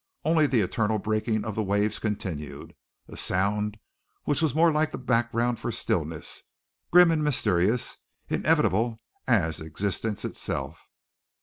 Only the eternal breaking of the waves continued a sound which was more like the background for stillness, grim and mysterious, inevitable as existence itself.